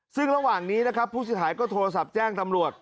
ซึ่งระหว่างนี้นะครับผู้เสียหายก็โทรศัพท์แจ้งตำรวจ